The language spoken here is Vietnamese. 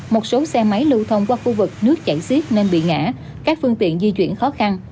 một số xe máy lưu thông qua khu vực nước chảy xiết nên bị ngã các phương tiện di chuyển khó khăn